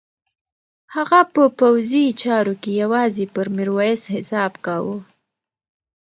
هغه په پوځي چارو کې یوازې پر میرویس حساب کاوه.